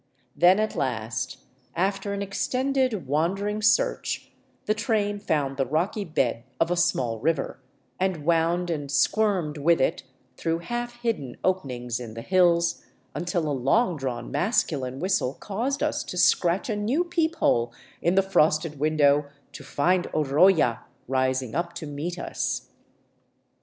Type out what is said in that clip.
Then at last, after an extended, wandering search, the train found the rocky bed of a small river, and wound and squirmed with it through half hidden openings in the hills until a long drawn masculine whistle caused us to scratch a new peep hole in the frosted window, to find Oroya rising up to meet us.